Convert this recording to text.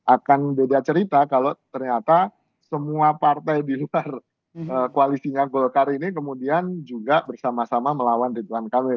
akan beda cerita kalau ternyata semua partai di luar koalisinya golkar ini kemudian juga bersama sama melawan ridwan kamil